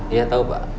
iya tau pak